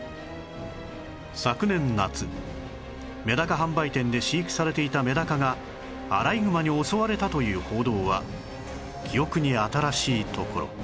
昨年夏メダカ販売店で飼育されていたメダカがアライグマに襲われたという報道は記憶に新しいところ